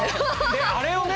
であれをね。